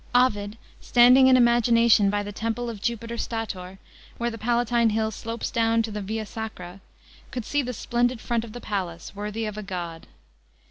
Ovid, standing in imagination by the temple of Jupiter Stator, where the Palatine hill slopes down to the Via Sacra, could see the splendid iront of the palace, " worthy of a god."